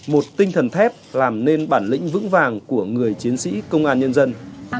một tinh thần thép làm nên bản lĩnh vững vàng của người chiến sĩ công an nhân dân